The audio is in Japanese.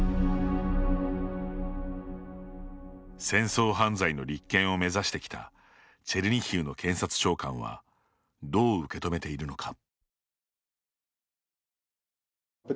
戦争犯罪の立件を目指してきたチェルニヒウの検察長官はどう受け止めているのか。